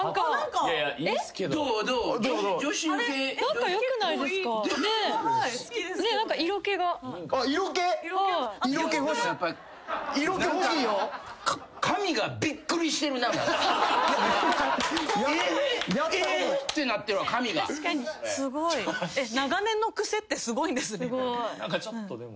長年の癖ってすごいんですね。